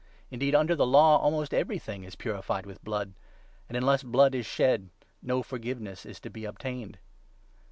Indeed, under the Law, almost everything is 22 purified with blood ; and, unless blood is shed, no forgiveness is to be obtained.